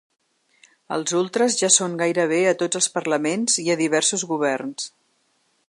Els ultres ja són gairebé a tots els parlaments i a diversos governs.